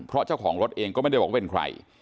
เพราะเจ้าของรถเองก็ไม่ได้บอกว่าเป็นใคร